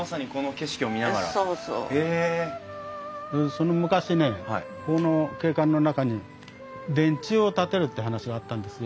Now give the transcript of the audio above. その昔ねこの景観の中に電柱を建てるって話があったんですよ。